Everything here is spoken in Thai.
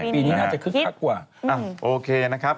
ปีนี้น่าจะคึกคักกว่า